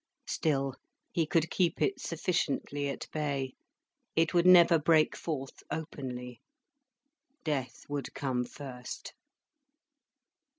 Still, he could keep it sufficiently at bay. It would never break forth openly. Death would come first.